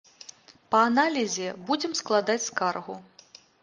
Па аналізе будзем складаць скаргу.